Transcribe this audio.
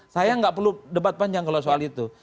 saya nggak perlu debat panjang kalau soal itu